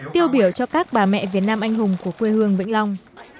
tiêu biểu cho các bà mẹ việt nam anh hùng của quê hương vĩnh long